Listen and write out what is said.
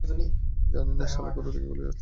জানি না শালা কোথা থেকে গুলি চালাচ্ছে।